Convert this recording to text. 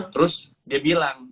terus dia bilang